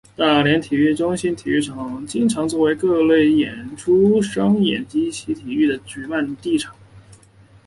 大连体育中心体育场经常作为各类演出及商业演唱会及体育的举办场地。